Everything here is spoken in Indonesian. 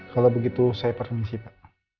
kalau begitu saya permisi pak